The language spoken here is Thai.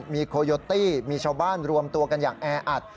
มีโคโยตี้มีชาวบ้านรวมตัวกันอย่างแออัด